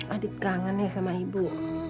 adik gangannya sama ibu